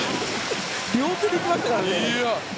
両手で行きましたからね。